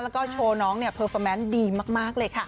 แล้วก็โชว์น้องเนี่ยเพอร์เฟอร์แมนต์ดีมากเลยค่ะ